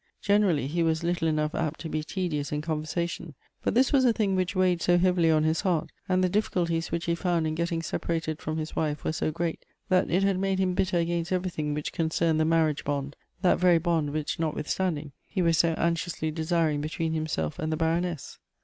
Generally, he was little enough apt to be tedious in conversation ; but this was a thing which weighed so heavily on his heart, and the difficulties which he found in getting separated from his wife were so great that it had made him bitter against everything which concemed the marriage bond, — that very bond which, notwithstanding, he was so anxiously desiring between himself and the Baroness.